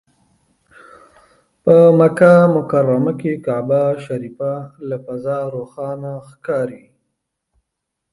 په مکه مکرمه کې کعبه شریفه له فضا روښانه ښکاري.